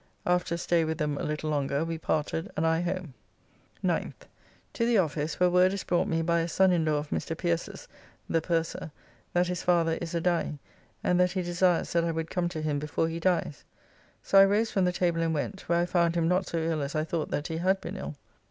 After a stay with them a little longer we parted and I home. 9th. To the office, where word is brought me by a son in law of Mr. Pierces; the purser, that his father is a dying and that he desires that I would come to him before he dies. So I rose from the table and went, where I found him not so ill as I thought that he had been ill.